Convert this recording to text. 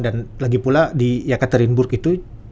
dan lagi pula di yekaterinburg itu